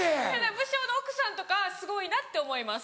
武将の奥さんとかすごいなって思います